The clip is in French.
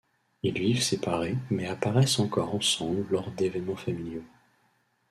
Ils vivent séparés mais apparaissent encore ensemble lors d'événements familiaux.